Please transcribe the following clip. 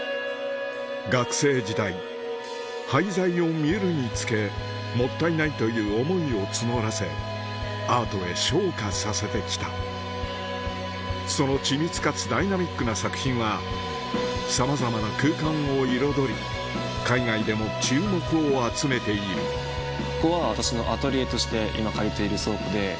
学生時代廃材を見るにつけもったいないという思いを募らせアートへ昇華させてきたその緻密かつダイナミックな作品はさまざまな空間を彩り海外でも注目を集めているどう見えてる。